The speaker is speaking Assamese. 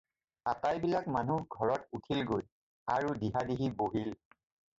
আটাইবিলাক মানুহ ঘৰত উঠিলগৈ, আৰু দিহাদিহি বহিল।